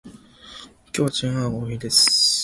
今日はチンアナゴの日です